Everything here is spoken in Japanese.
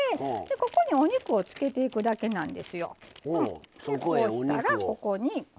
ここに、お肉を漬けていくだけなんですよ。